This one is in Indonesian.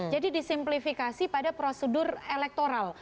jadi disimplifikasi pada prosedur elektoral